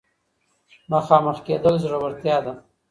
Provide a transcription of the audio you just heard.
مخامخ کېدل زړورتيا ده.